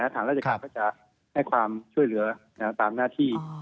ทางราชการก็จะให้ความช่วยเหลือตามหน้าที่